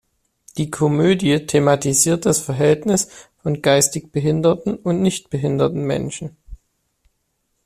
Die Komödie thematisiert das Verhältnis von geistig Behinderten und nicht behinderten Menschen.